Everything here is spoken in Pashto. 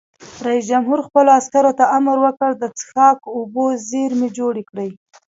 رئیس جمهور خپلو عسکرو ته امر وکړ؛ د څښاک اوبو زیرمې جوړې کړئ!